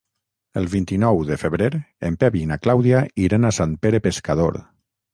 El vint-i-nou de febrer en Pep i na Clàudia iran a Sant Pere Pescador.